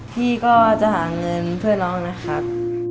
พี่ก็จะหาเงินเพื่อน้องนะครับ